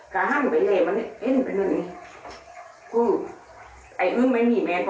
กระฮังไปเลยมันเอ็นไปนั่นไงคือไอ้อึ๊งไม่มีแมน